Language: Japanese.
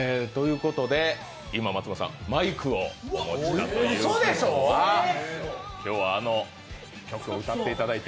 今、松本さんマイクをお持ちになっていますが今日は、あの曲を歌っていただいて？